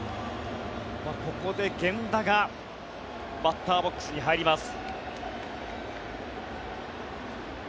ここで源田がバッターボックスに入ります。